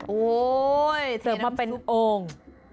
โอ้โฮเทน้ำซุปโอ่ง